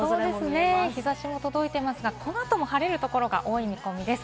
日差しも届いていますが、このあとも晴れるところが多い見込みです。